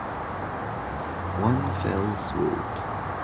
One fell swoop